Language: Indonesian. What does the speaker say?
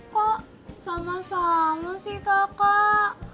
kok sama sama sih toko